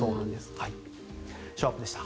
ショーアップでした。